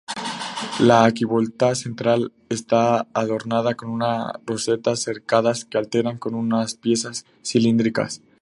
La arquivolta central está adornada con rosetas cercadas que alternan con unas piezas cilíndricas.